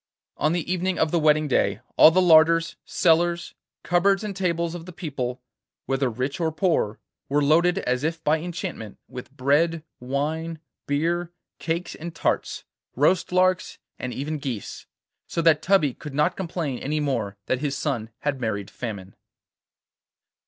On the evening of the wedding day all the larders, cellars, cupboards and tables of the people, whether rich or poor, were loaded as if by enchantment with bread, wine, beer, cakes and tarts, roast larks, and even geese, so that Tubby could not complain any more that his son had married Famine.